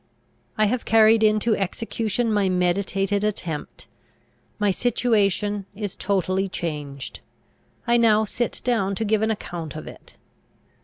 I have carried into execution my meditated attempt. My situation is totally changed; I now sit down to give an account of it.